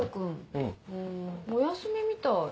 うんお休みみたい。